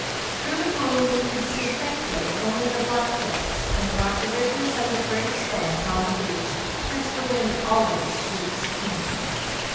Through the gloom we could see faintly only the black cliffs, and the rocky ridges, and the great stones on the beach, which the wind always sweeps clean.